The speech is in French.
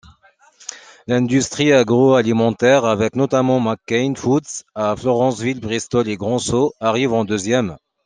L'Industrie agroalimentaire, avec notamment McCain Foods à Florenceville-Bristol et Grand-Sault, arrive en deuxième.